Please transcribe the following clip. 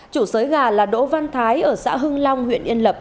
chủ sới gà là đỗ văn thái ở xã hưng long huyện yên lập